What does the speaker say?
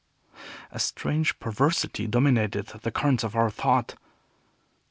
A strange perversity dominated the currents of our thought.